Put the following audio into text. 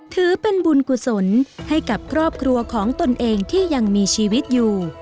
ถือเป็นบุญกุศลให้กับครอบครัวของตนเองที่ยังมีชีวิตอยู่